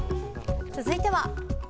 続いては。